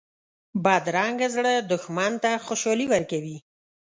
بدرنګه زړه دښمن ته خوشحالي ورکوي